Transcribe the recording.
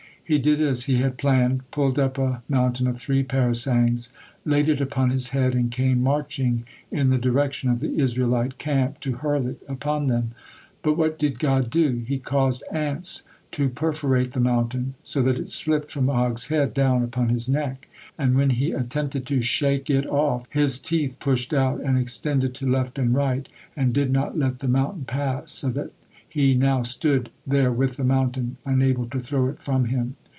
He did as he had planned, pulled up a mountain of three parasangs, laid it upon his head, and came marching in the direction of the Israelite camp, to hurl it upon them. But what did God do? He caused ants to perforate the mountain, so that is slipped from Og's head down upon his neck, and when he attempted to shake it off, he teeth pushed out and extended to left and right, and did not let the mountain pass, so that he now stood there with the mountain, unable to throw it from him.